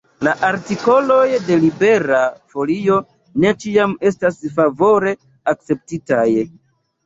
La artikoloj de Libera Folio ne ĉiam estas favore akceptitaj.